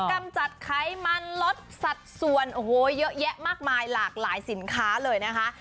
กำจัดไขมันลดสัดส่วนโอ้โหเยอะแยะมากมายหลากหลายสินค้าเลยนะคะ